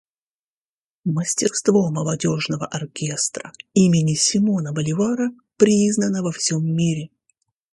Мастерство молодежного оркестра имени Симона Боливара признано во всем мире.